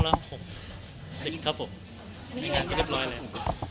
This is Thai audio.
เรียกงานไปเรียบร้อยแล้ว